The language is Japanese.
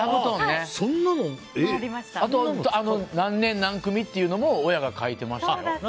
あと、何年何組っていうのも親が書いてました。